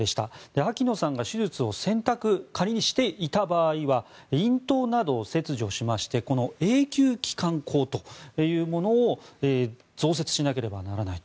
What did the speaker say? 秋野さんが手術の選択を仮にしていた場合は咽頭などを切除しましてこの永久気管孔というものを造設しなければならないと。